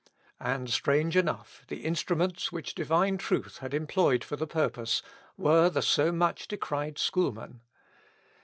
And strange enough, the instruments which divine truth had employed for the purpose were the so much decried schoolmen.